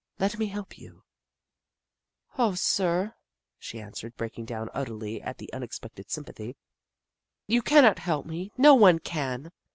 Let me help you !"" Oh, sir," she answered, breaking down utterly at the unexpected sympathy, " you cannot help me — no one can